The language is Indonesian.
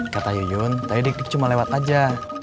kata yuyun tadi dikcum lewat aja